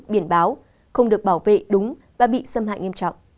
biển báo không được bảo vệ đúng và bị xâm hại